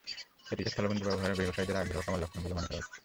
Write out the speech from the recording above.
এটিকে স্থলবন্দর ব্যবহারে ব্যবসায়ীদের আগ্রহ কমার লক্ষণ বলে মনে করা হচ্ছে।